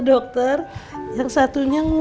dokter yang satunya ngumpet